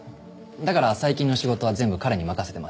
だから最近の仕事は全部彼に任せてまして。